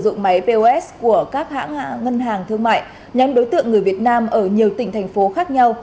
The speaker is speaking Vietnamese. dụng máy pos của các hãng ngân hàng thương mại nhóm đối tượng người việt nam ở nhiều tỉnh thành phố khác nhau